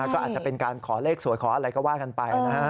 ก็อาจจะเป็นการขอเลขสวยขออะไรก็ว่ากันไปนะฮะ